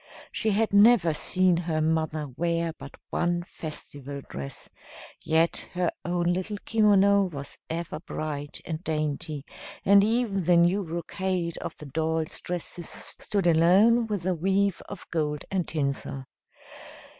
She had never seen her mother wear but one festival dress, yet her own little kimono was ever bright and dainty, and even the new brocade of the dolls' dresses stood alone with the weave of gold and tinsel.